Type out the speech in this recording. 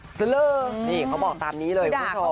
เลิกนี่เขาบอกตามนี้เลยคุณผู้ชม